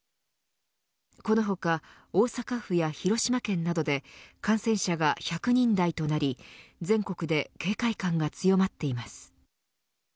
この他、大阪府や広島県などで感染者が１００人台となり全国で警戒感が強まっています。